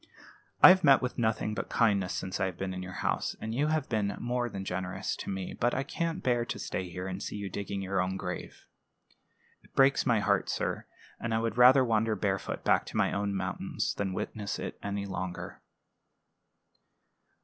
"I have met with nothing but kindness since I have been in your house, and you have been more than generous to me; but I can't bear to stay here and see you digging your own grave. It breaks my heart, sir; and I would rather wander barefoot back to my own mountains than witness it longer."